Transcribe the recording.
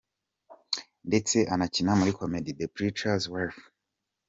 Ndetse anakina muri comedie, The Preacher's Wife.